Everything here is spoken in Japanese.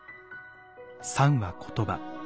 「賛」は言葉。